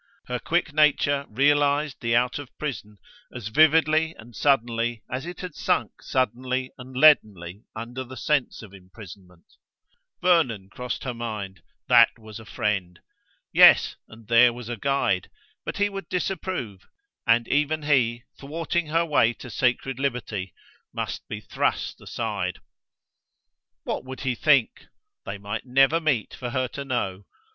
Her quick nature realized the out of prison as vividly and suddenly as it had sunk suddenly and leadenly under the sense of imprisonment. Vernon crossed her mind: that was a friend! Yes, and there was a guide; but he would disapprove, and even he, thwarting her way to sacred liberty, must be thrust aside. What would he think? They might never meet, for her to know.